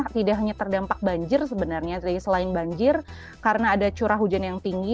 tidak hanya terdampak banjir sebenarnya selain banjir karena ada curah hujan yang tinggi